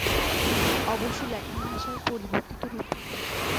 অবশ্য ল্যাটিন ভাষার পরিবর্তিত রূপে।